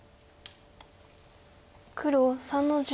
黒３の十一。